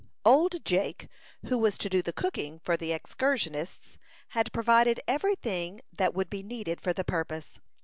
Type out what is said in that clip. Old Jake, who was to do the cooking for the excursionists, had provided every thing that would be needed for the purpose.